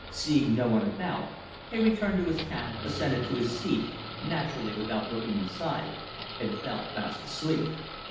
Seeing no one about, he returned to his cab, ascended to his seat, naturally without looking inside, and fell fast asleep.